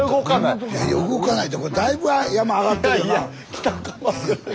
いやいや動かないってこれだいぶ山上がってるよな。